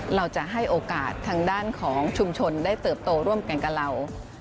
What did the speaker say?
เราจะให้โอกาสทางด้านของชุมชนได้เติบโตร่วมกันกับเรา